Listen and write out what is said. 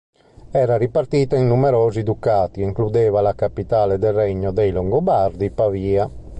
Era ripartita in numerosi ducati e includeva la capitale del regno dei Longobardi, Pavia.